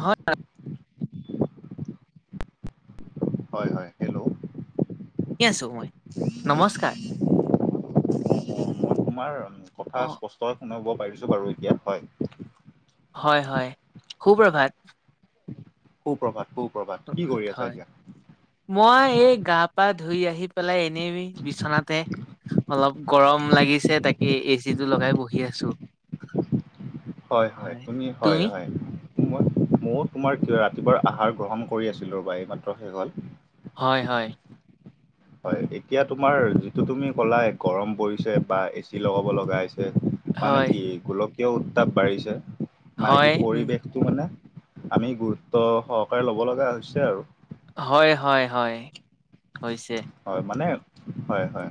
হয় হয় হয় হেল্ল' কি আছো মই নমস্কাৰ তোমাৰ কথা অ', স্পষ্টকে শুনাব পাৰিছো বাৰু এতিয়া হয় হয় হয় সুপ্ৰভাত সু প্ৰভাত হয় মই এই গাপ পা ধুই আহি পেলাই এনেই বিছনাতে অলপ গৰম লাগিছে তাকে এচি টো লগাই বহি আছো হয় হয় তুমি হয় হয় মই ময়ো তোমাৰ কি অ ৰাতিপুৱাৰ আহাৰ গ্ৰহণ কৰি আছিলোঁ ৰবা এই মাত্ৰ শেষ হ'ল হয় হয় হয় এতিয়া তোমাৰ যিটো তুমি কলা গৰম পৰিছে বা এচি লগাব লগা হৈছে মানে হয়, কি গোলকীয় উত্তাপ বাঢ়িছে মানে হয়, কি উম, পৰিৱেশটো মানে আমি গুৰুত্ব সহকাৰে ল'ব লগা হৈছে আৰু হয় হয় হয় হৈছে। হয় মানে হয় হয়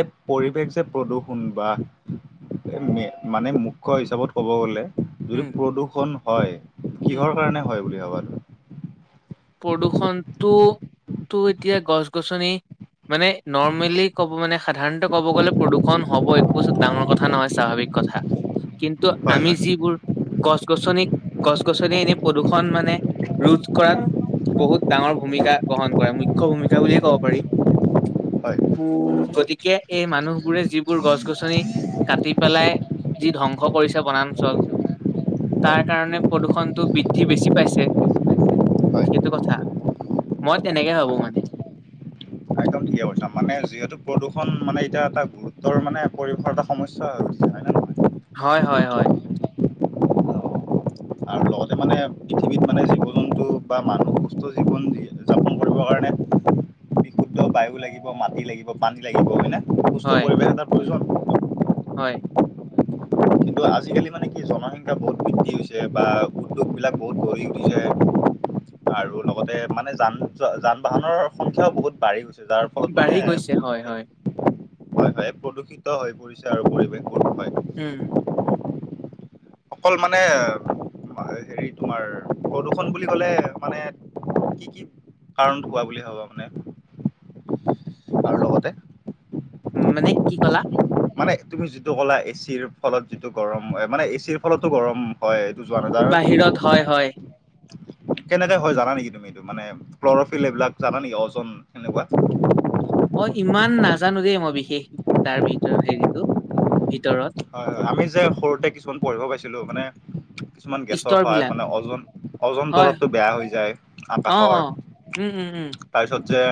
এই পৰিৱেশ যে প্ৰদূষণ বা মানে মুখ্য হিচাপত ক'ব গ'লে যদি উম, প্ৰদূষণ হয় উম, কিহৰ কাৰণে হয় বুলি ভাবা তুমি প্ৰদূষণতো তো এতিয়া গছ গছনি মানে নৰ্মেলি ক'ব মানে সাধাৰণতে ক'ব গ'লে প্ৰদূষণ হ'ব একো ডাঙৰ কথা নহয় স্বাভাৱিক কথা কিন্তু হয় আমি হয়। যিবোৰ গছ-গছনি, গছ-গছনি এনে প্ৰদূ্ষণ মানে ৰোধ কৰাত বহুত ডাঙৰ ভূমিকা গ্ৰহণ কৰে মুখ্য ভূমিকা বুলিয়ে ক'ব পাৰি। হয় উম, গতিকে এই মানুহবোৰে যিবোৰ গছ-গছনি কাটি পেলাই যি ধ্বংস কৰিছে বনাঞ্চল। হয় তাৰ কাৰণে প্ৰদূষণটো বৃদ্ধি বেছি পাইছে। হয় সেইটো কথা মই তেনেকে ভাবো মানে। একদম ঠিকে কৈছা মানে যিহেতু প্ৰদূষণ মানে এতিয়া এটা গুৰুত্বৰ মানে পৰিৱেশৰ এটা সমস্যা হয় না নহয়? হয়, হয়, হয়। আৰু লগতে মানে পৃথিৱীত মানে জীৱ-জন্তু বা মানুহ সুস্থ জীৱন যাপন কৰিবৰ কাৰণে বিশুদ্ধ বায়ু লাগিব, মাটি লাগিব, পানী লাগিব হয়নে সুস্থ হয় পৰিৱেশ এটা প্ৰয়োজন। হয়। [unintelligible] কিন্তু আজিকালি মানে কি জনসংখ্যা বহুত বৃদ্ধি হৈছে, বা উদ্যোগবিলাক বহুত গঢ়ি উঠিছে। আৰু লগতে মানে যান যান-বাহনৰ সংখ্যাও বহুত বাঢ়ি যাৰ ফলত মানে বাঢ়ি গৈছে হয় হয় হয়, হয় প্ৰদূষিত হৈ পৰিছে আৰু পৰিৱেশ। হম। অকল মানে হেৰি তোমাৰ প্ৰদূৰষণ বুলি কলে মানে কি কি কাৰণ হোৱা বুলি ভবা মানে আৰু লগতে উম, মানে কি কলা? মানে তুমি যিটো ক'লা এচিৰ ফলত যিটো গৰম হয়, মানে এচিৰ ফলতো গৰম হয়। যোৱা নাই জানা তুমি বাহিৰত হয়, হয়। কেনেকে হয় জানা নেকি তুমি এইটো মানে ক্ল'ৰফিল এইবিলাক জানা নেকি অওজন সেনেকুৱা? অ ইমান নাজানো দেই মই বিশেষ তাৰ ভিতৰত হেৰিটো। ভিতৰত হয়, হয় আমি যে সৰুতে কিছুমান পঢ়িব পাইছিলো, মানে কিছুমান গেছৰ স্তৰ সহায় বিলাক মানে অজন অজন হয় তৰৱটো বেয়া হৈ যায় অ আকাশৰ। অ উম উম উম তাৰপিছত যে,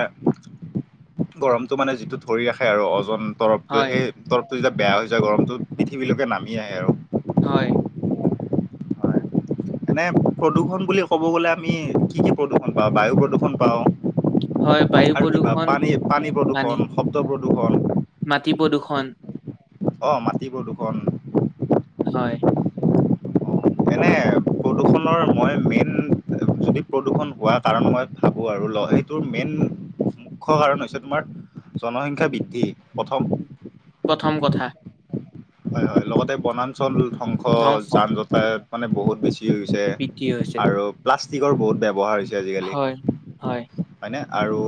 গৰমতটো মানে যিটো ধৰি ৰাখে আৰু অজন তৰৱটোৱে হয় সেই তৰপ টো যেতিয়া বেয়া হৈ যায় গৰমতটো পৃথিৱীলৈকে নামি আহে আৰু। হয়। হয়। এনে প্ৰদূৰষণ বুলি ক'ব গ'লে আমি কি কি প্ৰদূৰ্ষণ পাওঁ বায়ু প্ৰদূৰ্ষণ হয় পাওঁ। বায়ু আৰু কিবা প্ৰদূষণ পানী, উম, পানী প্ৰদূৰ্ষণ, শব্দ প্ৰদূৰ্ষণ মাটি প্ৰদূৰ্ষণ অ, মাটি প্ৰদূষণ হয়। এনে প্ৰদূষণৰ মই মেইন যদি প্ৰদূষণ হোৱা কাৰণ মই ভাবো আৰু ল সেইটোৰ মেইন মুখ্য কাৰণ হৈছে তোমাৰ জনসংখ্যা বৃদ্ধি প্ৰথম প্ৰথম কথা হয়, হয় লগতে বনাঞ্চল ধংস ধ্বংস যান-জটায়ত মানে বহুত বেছি। হৈছে বৃদ্ধি হৈছে আৰু প্লাষ্টিকৰ বহুত ব্যৱহাৰ হৈছে আজিকালি হয় হয় হয়নে? আৰু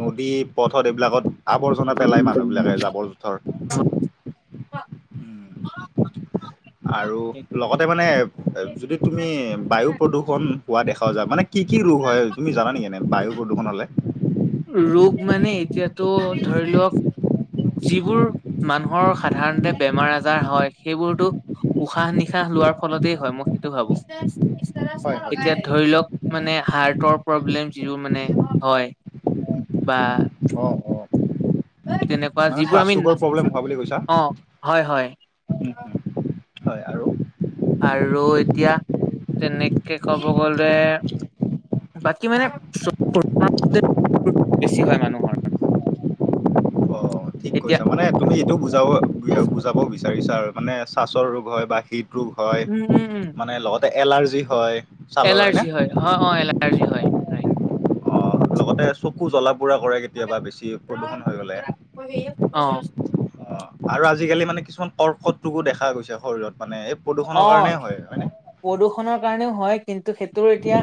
নদী পথত এইবিলাকত আৱৰ্জনা পেলাই মানুহ বিলাকে জাবৰ-জোথৰ বাহ। আৰু লগতে মানে যদি তুমি বায়ু প্ৰদূষণ হোৱা দেখা যায় মানে কি? কি কি ৰোগ হয় তুমি জানা নেকি? এনে বায়ু প্ৰদূষণ হলে? ৰোগ মানে এতিয়াতো ধৰি লওক যিবোৰ মানুহৰ সাধাৰণতে বেমাৰ-আজাৰ হয়, সেইবোৰতো উশাহ-নিশাহ লোৱাৰ ফলতেই হয় মই সেইটো ভাবো হয় হয়। এতিয়া ধৰি লওক মানে হাৰ্টৰ প্ৰব্লেম সিও মানে হয় বা অ অ তেনেকুৱা মানে যিবোৰ চাহ আমি চুকৰ প্ৰব্লেম হোৱা বুলি কৈছা অ হয় হয় উ হয় আৰু আৰু এতিয়া তেনেকে ক'ব গলে বাকী মানে বেছি হয় মানুহৰ [inaudible] অ', ঠিক এতিয়া কৈছা মানে তুমি এইটো বুজাব বুজাব বিচাৰিছা আৰু মানে ছাচৰ ৰোগ হয় বা শীত গ্ৰুভ হয় উম উম উম মানে লগতে এলাৰ্জি হয় ছালৰ হয়নে? এলাৰ্জি হয় অ অ এলাৰ্জি হয় হয় অ', লগতে চকু জ্বলাব পোৰা কলে বেছি প্ৰদূষণ হৈ গলে অ আৰু আজি আজিকালি মানে কিছুমান কৰ্কট ৰোগো দেখা গৈছে শৰীৰত মানে এই প্ৰদূষণৰ অ কাৰণে হয় ন প্ৰদূষণৰ কাৰণেও হয় কিন্তু সেইটো এতিয়া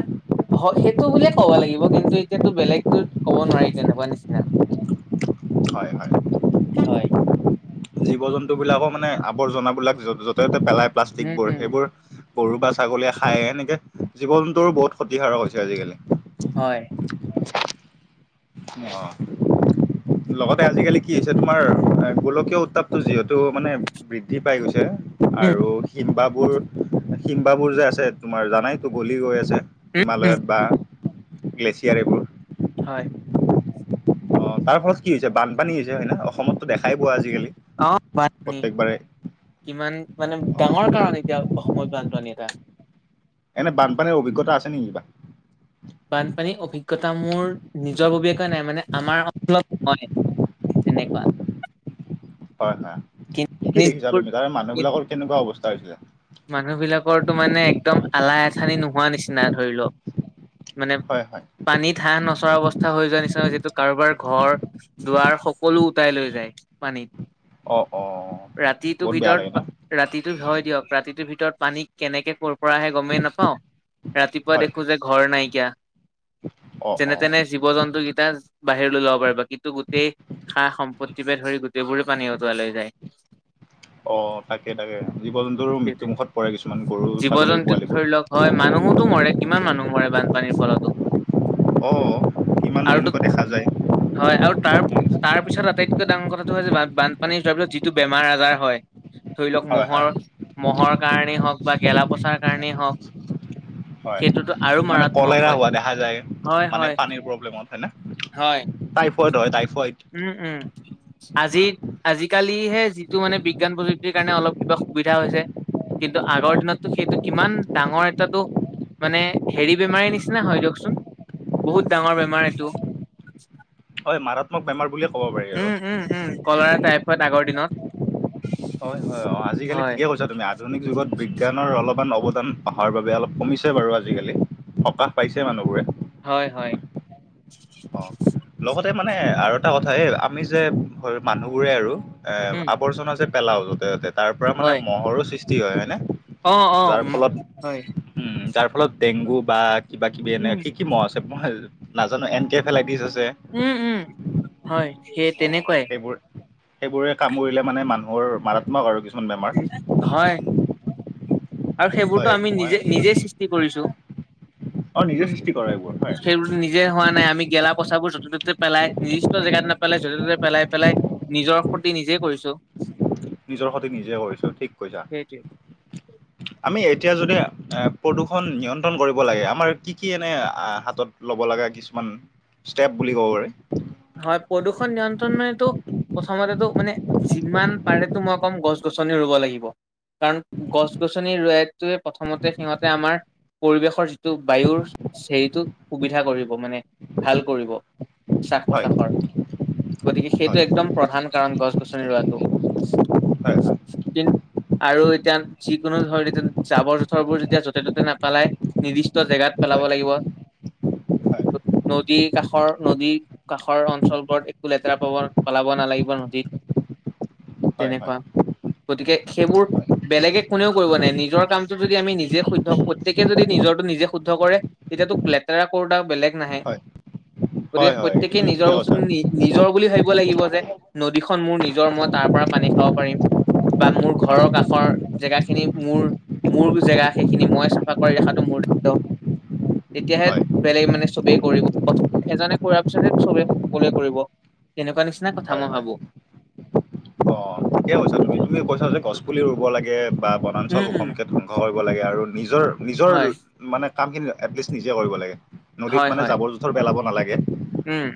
সেইটো বুলিয়ে ক'ব লাগিব কিন্তু এতিয়া বেলেগতো ক'ব নোৱাৰি তেনেকুৱা নিচিনা হয় হয় হয় জীৱ জন্তুবিলাকো মানে আৱৰ্জনা বিলাক য'তে ত'তে পেলাই উম প্লাষ্টিকবোৰ উম সেইবোৰ গৰু বা ছাগলীয়ে খায় এনেকে জীৱনটো বহুত ক্ষতিকাৰাৰক হৈছে আজিকালি হয় অ লগতে আজিকালি কি হৈছে তোমাৰ গোলকীয় উত্তাপটো যিহেতু মানে বৃদ্ধি পাই গৈছে উম আৰু শীম্বাবোৰ শিম্বাবোৰ যে আছে তোমাৰ জানাইতো গলি গৈ আছে উম উম হিমালয়ত বা গ্লেছিয়াৰ এইবোৰ হয় অ তাৰ ফলত কি হৈছে বানপানী হৈছে হয় ন অসমতো দেখাই পোৱা আজিকালি অ বাত নি প্ৰত্যেকবাৰে কিমান মানে ডাঙৰ অ', কাৰণ এতিয়া অসমৰ বানপানী এটা এনে বানপানীৰ অভিজ্ঞতা আছে নেকি বা বানপানীৰ অভিজ্ঞতা মোৰ নিজাববীয়াকৈ নাই মানে আমাৰ অঞ্চলত নহয় তেনেকুৱা হয় হয় কি কি দেখিছা কিন্তুবোৰ তুমি তাৰে মানুহ বিলাকৰ কেনেকুৱা অৱস্থা হৈছিলে মানুহ বিলাকৰটো মানে একদম আলাহ আথানি নোহোৱা নিচিনা ধৰি লওক মানে হয়, হয়, পানীত হাঁহ নচৰা অৱস্থা হৈ যোৱা নিচিনা যিতু কাৰোবাৰ ঘৰ দুৱাৰ সকলো উটাই লৈ যায় পানীত অ', অ', ৰাতিটো বহুত বেয়া লাগে ভিতৰত ন? ৰাতিটো হয় দিয়ক ৰাতি ভিতৰত পানী কেনেকে ক পৰা আহে গমেই নাপাওঁ ৰাতিপুৱা হয়, দেখো যে ঘৰ নাইকিয়া অ', যেনে অ', তেনে জীৱ জন্তুকেইটা বাহিৰলৈ ল'ব পাৰিবা কিন্তু গোটেই সা সম্পত্তি পে ধৰি গোটেইবোৰে পানী উতুৱালৈ যায় [inaudible] অ তাকে তাকে জীৱ জন্তুৰ মৃত্যুমুখত পৰে কিছুমান গৰু জীৱ ছাগলীৰ জন্তু পোৱালিবোৰ। ধৰি লওক হয় মানুহোতো মৰে কিমান মানুহ মৰে বানপানীৰ ফলতো অ', কিমান আৰু টো এনেকুৱা দেখা যায়। হয় আৰু তাৰ তাৰপিছত তটাই আটাইতকৈ ডাঙৰ কথাটো হৈছে যে বানপানীৰ যাবিলত যিটো বেমাৰ আজাৰ হয়। ধৰি লওক হয়, মহৰ হয়, মহৰ কাৰণেই হওক বা গেলা পচাৰ কাৰণেই হওক। হয় সেইটোতো আৰু মানে কলে মাৰাত্মক হয় হোৱা দেখা যায় হয় মানে হয় পানীৰ প্ৰব্লেমত হয় না। হয় হয় তাই উম উম আজি আজি। আজিকালিহে যিটো মানে বিজ্ঞান প্ৰযুক্তিৰ কাৰণে অলপ কিবা সুবিধা হৈছে। কিন্তু আগৰ হয়, দিনতটো সেইটো কিমান ডাঙৰ। তাতো মানে হেৰি বেমাৰীৰ নিচিনা হয় দিয়কচোন। বহুত ডাঙৰ বেমাৰ এইটো। হয় মাৰাত্মক বেমাৰ বুলি। উম উম উম কলৰা টাইপত আগৰ দিনত। হয় হয় অ আজিকালি হয়, ঠিকে কৈছা তুমি আধুনিক যুগত বিজ্ঞানৰ অলপ। অকান অৱদান অহাৰ বাবে অলপ কমিছে বাৰু আজিকালি সকাহ পাইছে মানুহবোৰে। হয় হয়। অ লগতে মানে আৰু এটা কথা এ আমি যে মানুহ বোৰে আৰু এ উম, আৱৰ্জনা যে পেলাওঁ য'তে ত'তে তাৰ পৰা মানে হয়, মহৰো সৃষ্টি হয় হয়নে? অ অ যাৰ উ ফলত হয় উম তাৰ ফলত ডেংগু বা কিবা কিবি এনে উম, কি কি মহ' আছে মই। নাজানো এন কে ফেলাইটিছ আছে। উম উম হয় সেইয় অ তেনেকুৱাই। সেইবোৰ সেইবোৰে কাম কৰিলে মানে মানুহৰ মাৰাত্মক আৰু কিছুমান হয় বেমাৰ। আৰু সেইবোৰতো হয় আমি মই নিজে নিজে সৃষ্টি কৰিছো। আৰু নিজে সৃষ্টি কৰে এইবোৰ হয় সেইবোৰো নিজে হোৱা নাই আমি গেলা। পইচাাবোৰ য'তে ত'তে পেলাই নিৰ্দিষ্ট জেগাত নেপেলাই য'তে ত'তে পেলাই পেলাই নিজৰ সতি নিজে কৰিছো। নিজৰ সতে নিজে কৰিছো ঠিক কৈছা। সেইটোৱে। আমি এতিয়া যদি এ প্ৰদূষণ নিয়ন্ত্ৰণ কৰিব লাগে আমাৰ কি কি এনে হাতত লব। ছ বুলি ক'ব প। হয় প্ৰদূষণ নিয়ন্ত্ৰণ মানতো। প্ৰথমতেতো মানে যিমান পাৰেেতো মই কম গছ গছনি ৰুব লাগিব। কাৰণ গছ গছনি ৰৰুৱাইটোৱে প্ৰথমতে সিহঁতে আমাৰ। পৰিৱেশৰ যিটো বায়ুৰ হেইটো সুবিধা কৰিব মানে ভাল কৰিব। পাৰি পঁচাশৰ। গতিকে হয় সেইটো হয় একদম প্ৰধান কাৰণ গছ গছনি ৰোৱাটো। হয় কি। আৰু এতিয়া যিকোনো ধৰ এতিয়া জাবৰ জোথৰবোৰ যেতিয়া য'তে ত'তে নাপেলাই নিৰ্দিষ্ট জেগাত পেলাই। হয় হয় লাব লাগিব হয় নদী কাষৰ নদী। কাষৰ অঞ্চলবোৰত একো লেতেৰা পাব পেলাব নালাগিব নদীত। হয় তেনেকুৱা হয়। গতিকে সেইবোৰ বেলেগে কোনেও কৰিব নাই নিজৰ কামটো যদি আমি নিজে শুদ্ধ্ প্ৰত্যেকে যদি নিজ। নিজৰটো নিজে শুদ্ধ কৰে তেতিয়া তোক লেতেৰা কৰোতা বেলেগ নাহে। হয় গতিকে হয় হয়। প্ৰত্যেকেই তুমি নিজৰ ঠিকে বস্তু কৈছা নিজৰ বুলি ভাব। লাগিব যে নদীখন মোৰ নিজৰ মই তাৰ পৰা পানী খাব পাৰিম। বা মোৰ হয় ঘৰৰ কাষৰ জেগাখিনি মোৰ মোৰ জেগা সেইখিনি মই চাফা কৰি ৰখাটো। তেতিয়াহে হয় বেলেগ মানে চবেই কৰিব এজনে কৰাৰ পিছতে। চবে সকলোৱে কৰিব তেনেকুৱা নিচিনা কথা হয় মই হয় ভাবো। অ ঠিকে কৈছা তুমি সেইটোৱে তুমি কৈছা যে গছপুলি ৰুব লাগে বা উম বনাঞ্চল উম সংকেত ধংস কৰিব লাগে আৰু। নিজৰ নিজৰ হয় মানে কাম খিনি এটলিষ্ট নিজে কৰিব লাগে নদীত হয় মানে হয় জাবৰ জোথৰ বেলাব। নালাগে। উম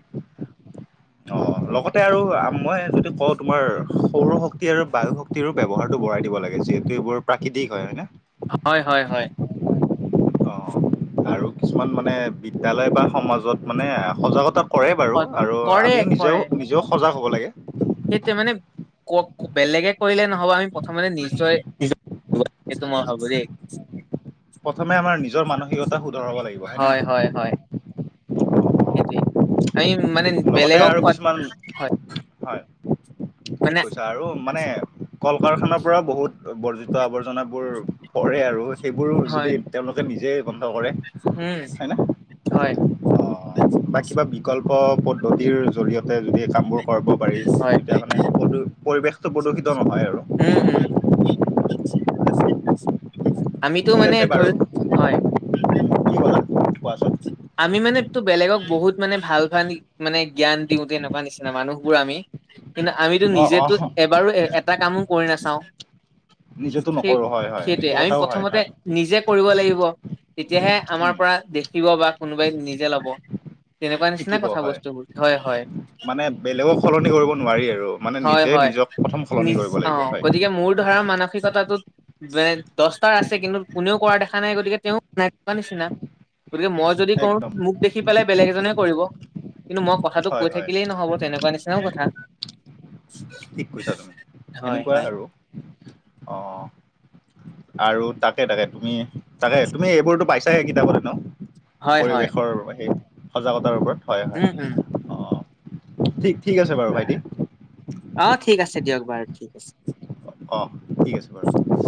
অ [inaudible] লগতে আৰু মই যদি কওঁ তোমাৰ সৌৰ শক্তি আৰু বায়ু শক্তিৰো ব্যৱহাৰতটো বঢ়াই দিব লাগে যিহেতু এইবোৰ প্ৰাকৃতিক হয় ন হয় হয় হয় অ আৰু কিছুমান মানে বিদ্যালয় বা সমাজত মানে সজাগতা কৰে বাৰু আৰু কৰে আমিও নিজেও নিজেও সজাগ হ'ব লাগে সেইটো মানে ক বেলেগে কৰিলে নহব আমি প্ৰথমতে নিজ্চয় তোমাৰ হ'ব দেই প্ৰথমে আমাৰ নিজৰ মানসিকতা শুধৰা ব লাগিব হয় নে নহয় সেইটোৱেই আমি মানে লগতে বেলেগক আৰু কিছুমান হয় হয় ঠিক মানে কৈছা আৰু মা মানে কল কাৰখানাৰ পৰাও বহুত বৰ্জিত আৱৰ্জনাবোৰ পৰে আৰু সেইবোৰো হয় যদি তেওঁলোকে নিজেই বন্ধ কৰে উম হয় ন হয় অ' বা কিবা বিকল্প পদ্ধতিৰ জৰিয়তে যদি কাম বোৰ। কৰিব পাৰি হয় তেতিয়া মানে প্ৰদ পৰিৱেশটো প্ৰদূষিত। নহয় আৰু উম উম। আমিতো ঠিক মানে আছে বাৰু ধৰি হয়। কোৱা ছোন আমি মানে তটো বেলেগক বহুত মানে ভাল ভাল মানে জ্ঞান দিওঁ তেনেকুৱা নিচিনা মানুহবোৰ আমি কিন্তু আমিতো অ' নিজেতো অ' এবাৰো এটা কামো কৰি নাচাওঁ নিজেতো সেই নকৰোঁ হয় হয় সেইটোৱে এইটো আমি কথাও হয় প্ৰথমতে হয় নিজে কৰিব লাগিব তেতিয়াহে আমাৰ উম পৰা দেখিব বা কোনোবাই নিজে লব তেনেকুৱা নিচিনা শিকিব কথা হয় বস্তুবোৰ হয় হয় মানে বেলেগক সলনি কৰিব নোৱাৰি আৰু মানে হয় নিজে হয় নিজক প্ৰথম সলনি নি কৰিব অ লাগিব হয় গতিকে মোৰ ধৰা মানসিকতা দহটাৰ আছে কিন্তু কোনেও কৰা দেখা নাই গতিকে তেওঁ [unintelligible] নিচিনা গতিকে মই যদি কৰো একদম মোক দেখি পেলাই বেলেগ এজনে কৰিব কিন্তু মই কথাটো হয় কৈ হয় থাকিলেই নহব তেনেকুৱা নিচিনাও কথা ঠিক কৈছা তুমি হয় এনেকুৱা হয় আৰু অ আৰু তাকে তাকে তুমি তাকে তুমি এইবোৰতো পাইছাহে কিতাপত ন হয় হয় পৰিৱেশৰ সেই সজাগতাৰ ওপৰত হয় হয় উম উম অ ঠিক আছে বাৰু ভাইটি অ ঠিক আছে দিয়ক বাৰু ঠিক আছে অঁ ঠিক আছে বাৰু